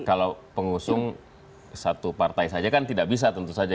kalau pengusung satu partai saja kan tidak bisa tentu saja